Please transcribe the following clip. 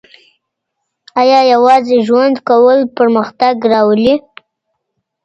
آیا یوازې ژوند کول پرمختګ راولي؟